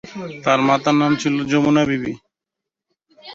তার মাতার নাম ছিল যমুনা বিবি।